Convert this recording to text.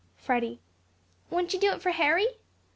Freddy. Wouldn't you do it for Harry?